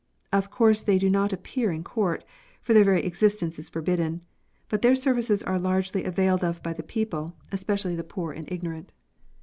Of course they do not appear in court, for their very existence is forbidden, but their services are largely availed of by the people, especially the poor and ignorant.